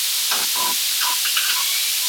غیرت د ناموس او وطن د ساتنې نوم دی.